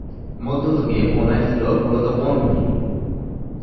মধ্যযুগে বোনাই ছিল মূলত বনভূমি।